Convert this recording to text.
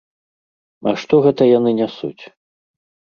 А што гэта яны нясуць?